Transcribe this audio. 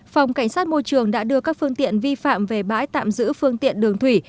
phòng cảnh sát môi trường đã đưa các phương tiện vi phạm về bãi tạm giữ phương tiện đường thủy